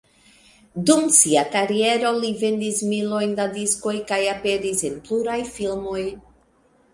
Dum sia kariero li vendis milojn da diskoj kaj aperis en pluraj filmoj.